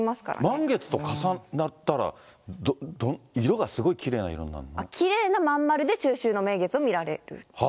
満月と重なったら、きれいな真ん丸で、中秋の名月を見られる。